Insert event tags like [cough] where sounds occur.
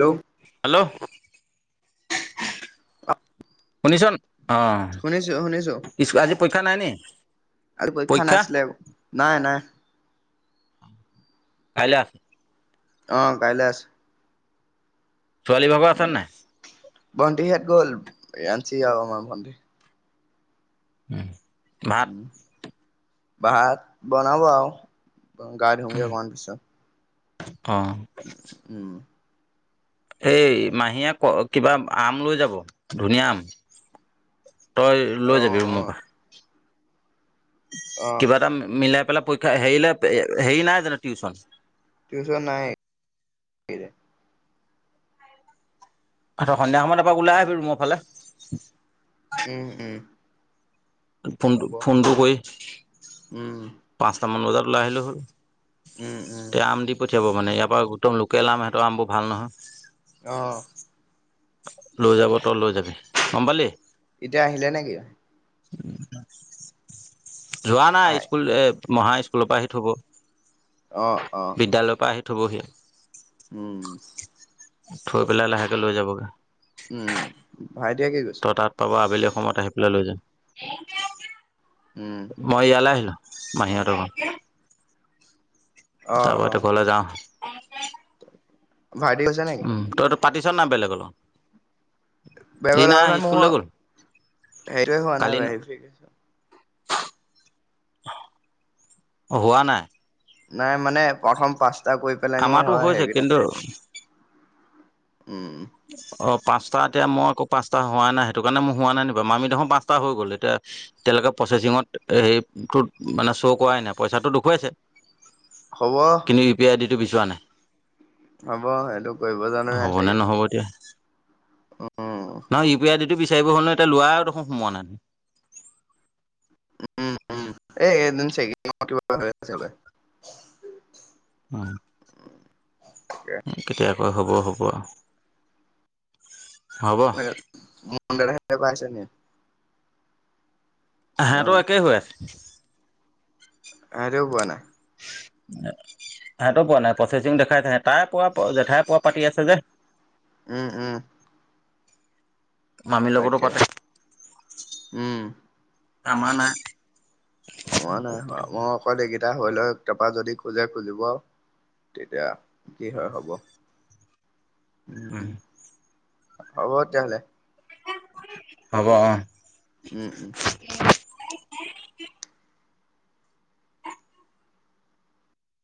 Hello hello. অ। Tuition অ', ইচকু আজি পৰীক্ষা নাই নি? আৰু পৰীক্ষা নাছিলে। নাই, নাই। কাইলে আহ অহ কাইলে আছে। ছোৱালী ভাগৰ আছে নে নাই? ভণ্টি হাত গ'ল, ৰিয়াঞ্চি আৰু আমাৰ ভণ্টি। উম। উম। ভাত বনাব আৰু। উ, গা ধুঙগে অকমান পিছত। অ'। উম এই মাহীয়ে ক কিবা আম লৈ যাব, ধুনীয়া আম। তই অ লৈ যাবি অ ৰুমৰ পৰা। অ কিবা এটা মিলাই পেলা পৰীক্ষা হেৰিলে, হেৰি নাই জানো টিউচন টউচন নাই। অচ্ছা, সন্ধিয়া সময়ত এপাক ওলাই আহিবি ৰুমৰ ফালে। উম, উম। ফোনটো, হ'ব ফোনটো কৰি, উম পাঁচটামান বজাত। ওলাই আহিলোঁ হৈ। উম, উম। পঠিয়াব মানে, ইয়াৰ পৰা একদম লোকেল আম, সিহঁতৰ আমবোৰ ভাল নহয়। অহ। লৈ যাব, তই লৈ যাবি। গম পালি? এতিয়া আহিলে নে কি? [inaudible] যোৱা আহ নাই স্কুল, এ মহা স্কুলৰ পৰা আহি থব। অ', অ'। বিদ্যালয়ৰ পৰা আহি থ'বহি উম। থৈ পেলাই লাহেকে লৈ যাবগে। উম, ভাইটিয়ে কি কৈছে? তাত পাব আবেলি সময়ত আহি পেলাই লৈ যাম। উম মই ইয়ালে আহিলো। মাহি হতৰ ঘ অ তাপা অ এতিয়া ঘলে যাওঁ। ভাইটি গৈছে নেকি? উম তইতো পাতিছ নাই বেলেগ ল বেগৰ লগা মানে মইও হেৰিটোৱেই হোৱা কালি নাই ভেৰিফিকেচন [inaudible] হোৱা নাই নাই মানে প্ৰথম পাঁচ আমাটো হৈছে কিন্তু উম'। অ', পাঁচটা এতিয়া, মই আকৌ পাঁচটা হোৱাই নাই সেইটো কাৰণে মই হোৱা নাই নি বাৰু, মামি দেখোন পাঁচটা হৈ গ'ল তেতিয়া এতিয়ালৈকে প্ৰচেচিঙত হেৰিটোত মানে শ্ব' কৰায়েই নাই, পইচাটো দেখুৱাইছে হ'ব কিন্তু ইউ পি আই দি টো বিচৰা নাই হ'ব সেইটো কৰিব জানে নাই হ'বনে চাগে নহ'ব এতিয়া উম নহয় ইউ পি আই দি টো বিচাৰিব হ'ল ন এতিয়া লৱা দেখোন সোমোৱা নাই উম উম', এই এদিন চেকিঙৰ কিবা হৈ আছে হ'বপাই। অ', কেতিয়া হ'ব', হব। হ'ব [unintelligible] পাইছে নে হেহটোৰো একে হৈ আছে। সেহেতেও পোৱা নাই এ সেহেঁতেও পোৱা নাই প্ৰচেচিং দেখাইছে হে, তাই পোৱা জেঠাই পোৱা পাতি আছে যে উম', উম। মামীৰ লগতো তাকে কথ উম আামা না সময় নাই হয় মই অকল এইকেইটা হৈ লৈ তাপা যদি খোজে খুজিব আও তেতিয়া কি হয় হ'ব। উম'। হ'ব তেতিয়াহলে। হ'ব অ'। উম', উম'।